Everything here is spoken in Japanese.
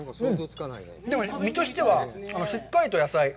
でも実としては、しっかりと野菜。